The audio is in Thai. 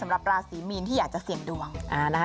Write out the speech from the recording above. สำหรับราศรีมีนที่อยากจะเสี่ยงดวง